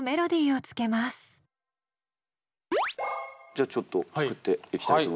じゃあちょっと作っていきたいと思います。